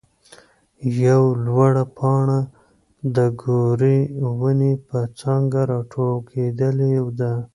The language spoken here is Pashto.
يوه لوړه پاڼه د ګورې ونې پر څانګه راټوکېدلې ده.